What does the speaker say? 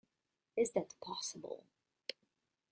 Is that possible?